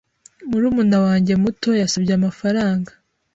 Murumuna wanjye muto yasabye amafaranga.